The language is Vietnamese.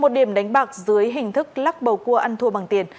một điểm đánh bạc dưới hình thức lắc bầu cua ăn thua bằng tiền